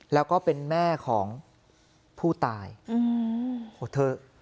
แล้วก็เป็นแม่ของผู้ตายโหดเถอะ